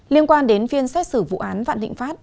liên quan đến phiên xét xử vụ án vạn thịnh pháp